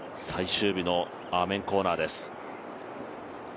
最終日のアーメンコーナーです。